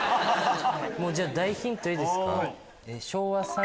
じゃあ大ヒントいいですか？